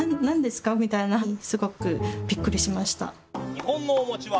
日本のおは。